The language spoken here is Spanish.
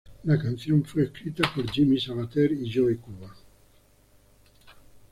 La canción fue escrita por Jimmy Sabater y Joe Cuba.